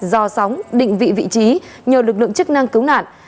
do sóng định vị vị trí nhờ lực lượng chức năng cứu nạn